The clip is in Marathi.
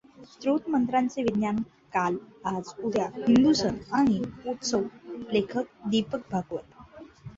स्तोत्र मंत्रांचे विज्ञान काल आज उद्या हिंदू सण आणि उत्सव लेखक दीपक भागवत